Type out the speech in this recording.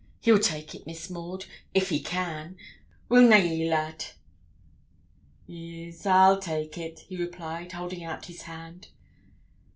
He'll take it, Miss Maud, if he can; wi' na ye, lad?' 'E'es, I'll take it,' he replied, holding out his hand.